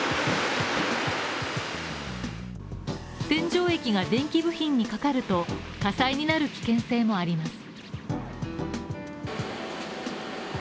洗浄液が電気部品にかかると火災になる危険性もあります。